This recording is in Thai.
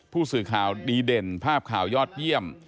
ผู้สื่อข่าวดีเด่นภาพข่าวยอดเยี่ยม